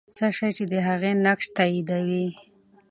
څه شی د هغې نقش تاییدوي؟